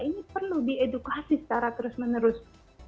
ini perlu diedukasi secara terus menerus